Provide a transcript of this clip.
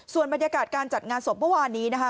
ส่วนบรรยากาศการจัดงานศพเมื่อวานนี้นะคะ